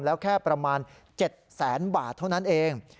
แล้วแค่ประมาณ๗แสนบาทเท่านั้นเอง